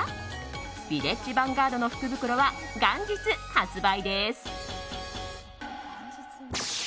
ヴィレッジヴァンガードの福袋は元日発売です。